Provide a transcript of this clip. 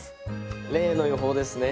例の油胞ですね